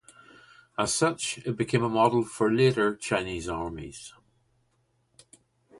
As such, it became a model for later Chinese armies.